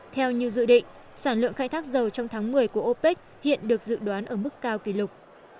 theo như dự định sản lượng khai thác dầu trong tháng một mươi của opec hiện được dự đoán ở mức cao kỷ lục